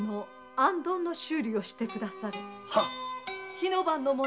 火の番の者。